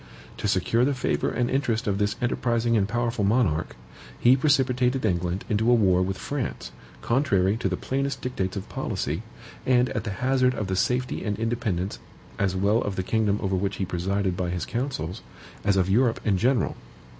To secure the favor and interest of this enterprising and powerful monarch, he precipitated England into a war with France, contrary to the plainest dictates of policy, and at the hazard of the safety and independence, as well of the kingdom over which he presided by his counsels, as of Europe in general.